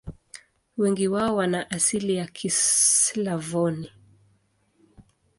Wengi wao wana asili ya Kislavoni.